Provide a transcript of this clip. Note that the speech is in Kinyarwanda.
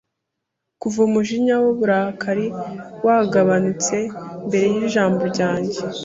Kuva umujinya w'uburakari wagabanutse mbere y'ijambo ryanjye